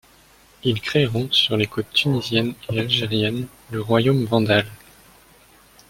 Ils créeront sur les côtes tunisiennes et algériennes le royaume vandale.